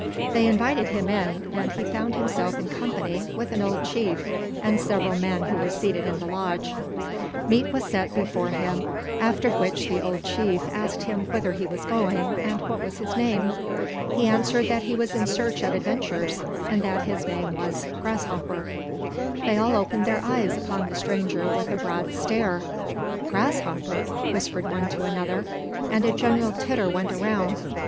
They invited him in, and he found himself in company with an old chief and several men who were seated in the lodge. Meat was set before him; after which the old chief asked him whither he was going and what was his name. He answered that he was in search of adventures and that his name was "Grasshopper." They all opened their eyes upon the stranger with a broad stare. "Grasshopper!" whispered one to another; and a general titter went round.